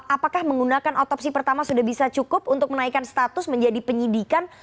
apakah menggunakan otopsi pertama sudah bisa cukup untuk menaikkan status menjadi penyidikan